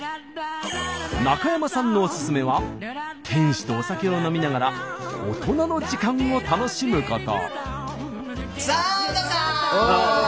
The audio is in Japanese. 中山さんのおすすめは店主とお酒を飲みながら大人の時間を楽しむこと。